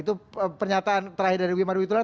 itu pernyataan terakhir dari wimar witular